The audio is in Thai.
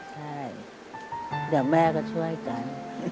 ใช่เดี๋ยวแม่ก็ช่วยกัน